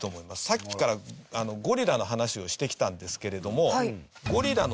さっきからゴリラの話をしてきたんですけれども。